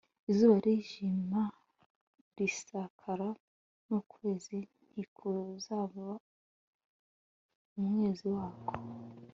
izuba rizijima rikirasa n ukwezi ntikuzava umwezi wako